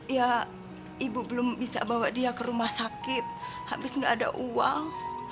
ya ibu belum bisa bawa dia ke rumah sakit habis nggak ada uang